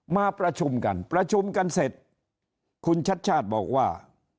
มาประชุมกันประชุมกันเสร็จคุณชัดชาติบอกว่า